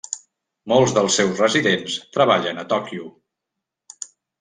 Molts dels seus residents treballen a Tòquio.